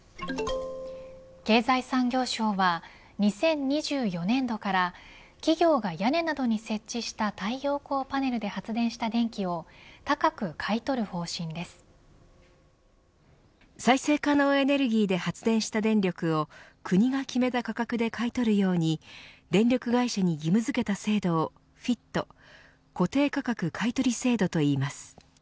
経済産業省は、２０２４年度から企業が屋根などに設置した太陽光パネルで発電した再生可能エネルギーで発電した電力を国が決めた価格で買い取るように電力会社に義務付けた制度をＦＩＴ固定価格買い取り制度といいます。